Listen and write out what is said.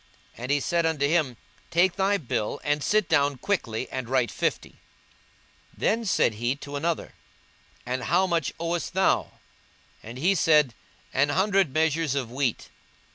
And he said unto him, Take thy bill, and sit down quickly, and write fifty. 42:016:007 Then said he to another, And how much owest thou? And he said, An hundred measures of wheat.